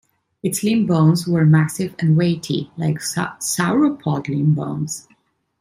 Its limb bones were massive and weighty, like sauropod limb bones.